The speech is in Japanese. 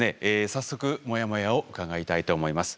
早速モヤモヤを伺いたいと思います。